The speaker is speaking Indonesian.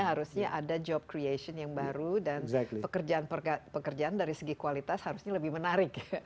harusnya ada job creation yang baru dan pekerjaan dari segi kualitas harusnya lebih menarik